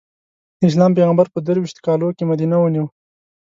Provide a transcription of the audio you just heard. د اسلام پېغمبر په درویشت کالو کې مدینه ونیو.